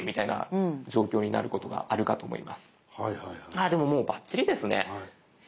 ああでももうバッチリですね。